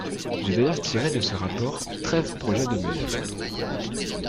J’ai d’ailleurs tiré de ce rapport treize projets de mesures.